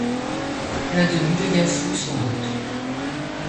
L’un de nous devient fou, sans doute !